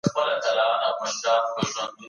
د لویې جرګي پر مهال څوک دندي ته نه ځي؟